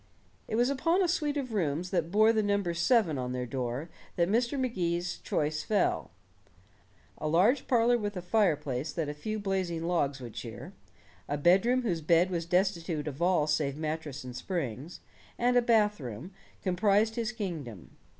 It was upon a suite of rooms that bore the number seven on their door that Mr. Magee's choice fell. A large parlor with a fireplace that a few blazing logs would cheer, a bedroom whose bed was destitute of all save mattress and springs, and a bathroom, comprised his kingdom.